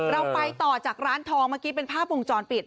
เราไปต่อจากร้านทองเมื่อกี้เป็นภาพวงจรปิด